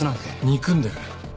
憎んでる。